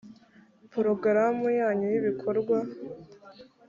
porogaramu yayo y’ibikorwa